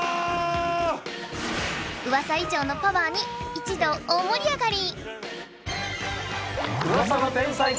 ウワサ以上のパワーに一同大盛り上がり